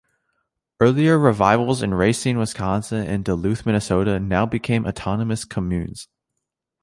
Earlier revivals in Racine, Wisconsin, and Duluth, Minnesota, now became autonomous communes.